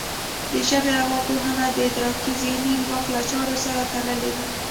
د ژبې ارواپوهنه د ادراکي ذهني ځواک له چارو سره تړلې ده